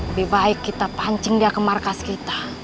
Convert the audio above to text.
lebih baik kita pancing dia ke markas kita